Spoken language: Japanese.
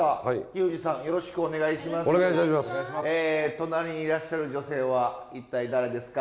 隣にいらっしゃる女性は一体誰ですか？